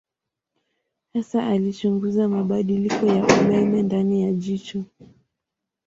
Hasa alichunguza mabadiliko ya umeme ndani ya jicho.